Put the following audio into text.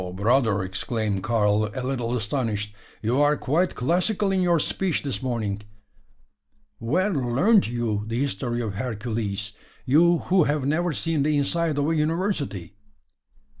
brother!" exclaimed Karl, a little astonished. "You are quite classical in your speech this morning. Where learnt you the history of Hercules you who have never seen the inside of a university?"